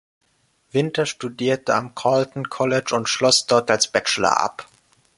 Winter studierte am Carleton College und schloss dort als Bachelor ab.